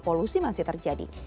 polusi masih terjadi